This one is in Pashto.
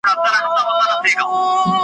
چې ته د یوې ژورې تمدني سلسلې وارث یې